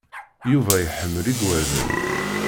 Yuba iḥemmel igerdan.